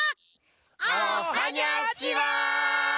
おはにゃちは！